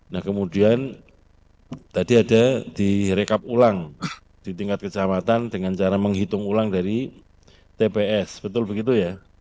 nah kemudian tadi ada direkap ulang di tingkat kecamatan dengan cara menghitung ulang dari tps betul begitu ya